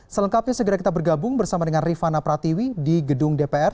selengkapnya segera kita bergabung bersama dengan rifana pratiwi di gedung dpr